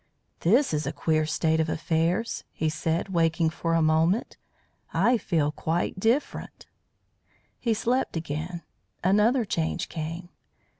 "This is a queer state of affairs," he said, waking for a moment. "I feel quite different." He slept again. Another change came.